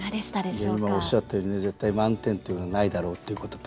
今おっしゃったように「絶対満点というのはないだろう」っていうことと。